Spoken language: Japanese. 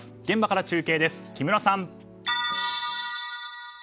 現場から中継です、木村さん。